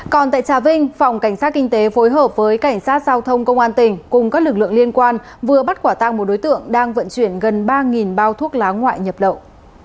còn tại trà vinh phòng cảnh sát kinh tế phối hợp với cảnh sát giao thông công an tỉnh cùng các lực lượng liên quan vừa bắt quả tăng một đối tượng đang vận chuyển gần ba bao thuốc lá ngoại nhập lậu